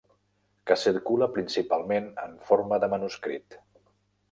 Que circula principalment en forma de manuscrit.